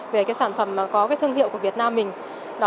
về cái sản phẩm có cái thương hiệu của việt nam mình